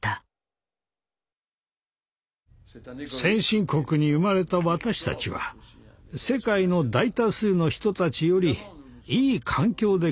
先進国に生まれた私たちは世界の大多数の人たちよりいい環境で暮らせています。